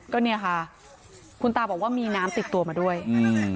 ก็เนี่ยค่ะคุณตาบอกว่ามีน้ำติดตัวมาด้วยอืม